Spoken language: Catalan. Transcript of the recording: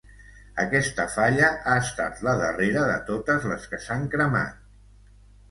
Aquesta falla ha estat la darrera de totes les que s’han cremat.